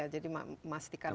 jadi mak masti